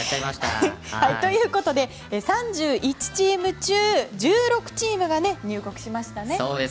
３１チーム中１６チームが入国しましたね。